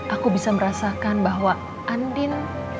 aku bisa merasakan bahwa andin